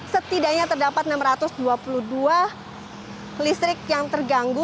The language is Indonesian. setidaknya terdapat enam ratus dua puluh dua listrik yang terganggu